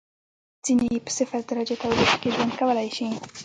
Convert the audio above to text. ځینې یې په صفر درجه تودوخې کې ژوند کولای شي.